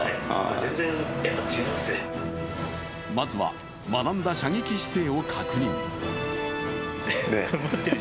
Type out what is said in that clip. まずは学んだ射撃姿勢を確認。